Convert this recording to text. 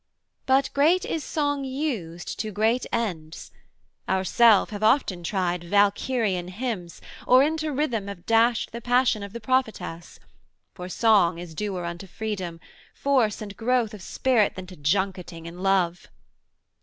But great is song Used to great ends: ourself have often tried Valkyrian hymns, or into rhythm have dashed The passion of the prophetess; for song Is duer unto freedom, force and growth Of spirit than to junketing and love.